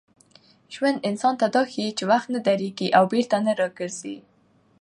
ژوند انسان ته دا ښيي چي وخت نه درېږي او بېرته نه راګرځي.